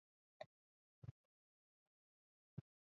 kutoka idhaa ya kiswahili ya redio france international tukutane tena